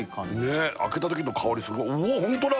ねっ開けた時の香りすごいうおっホントだ